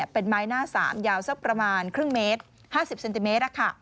เป็นไม้หน้า๓ยาวสักประมาณครึ่งเมตร๕๐เซนติเมตร